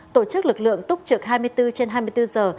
tổ chức lực lượng túc trực hai mươi bốn trên hai mươi bốn giờ